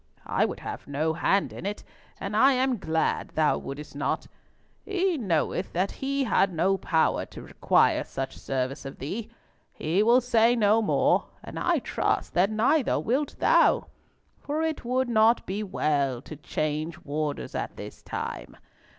I would have no hand in it, and I am glad thou wouldst not. He knoweth that he had no power to require such service of thee. He will say no more, and I trust that neither wilt thou; for it would not be well to change warders at this time.